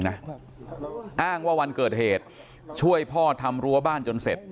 อ้างว่าวันเกิดเหตุช่วยพ่อทำรั้วบ้านจนเสร็จ